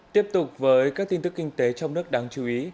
tiếp tục với các tin tức kinh tế trong nước đáng chú ý